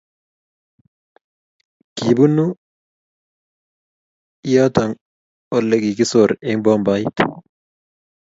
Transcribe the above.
Kibunu iyeto Ole kikosor eng bombait